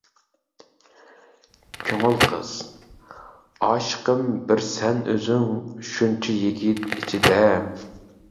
كۆڭۈل قىز :ئاشىقىم بىر سەن ئۆزۈڭ، شۇنچە يىگىت ئىچىدە.